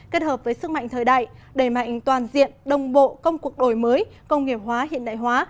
kết hợp với sức mạnh thời đại đầy mạnh toàn diện đồng bộ công cuộc đổi mới công nghiệp hóa hiện đại hóa